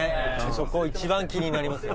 そこ一番気になりますよ。